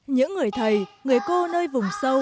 những người thầy người cô nơi vùng sâu